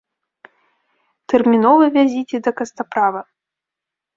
Тэрмінова вязіце да кастаправа!